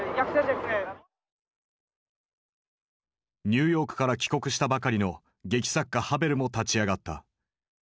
ニューヨークから帰国したばかりの劇作家ハヴェルも立ち上がった。